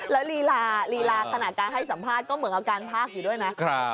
แล้วลีลาลีลาขณะการให้สัมภาษณ์ก็เหมือนกับการพากอยู่ด้วยนะ